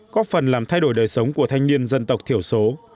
có phần làm thay đổi đời sống của thanh niên dân tộc thiểu số